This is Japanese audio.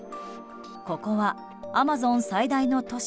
ここはアマゾン最大の都市